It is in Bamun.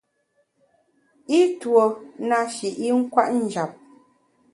I tuo na shi i nkwet njap.